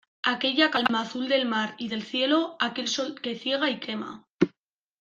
aquella calma azul del mar y del cielo, aquel sol que ciega y quema